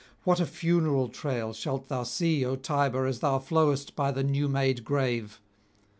what a funeral train shalt thou see, O Tiber, as thou flowest by the new made grave!